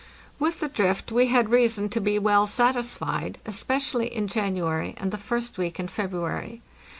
With the drift we had reason to be well satisfied, especially in January and the first week in February.